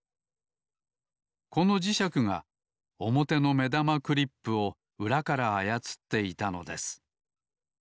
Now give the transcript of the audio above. この磁石がおもての目玉クリップをうらからあやつっていたのです。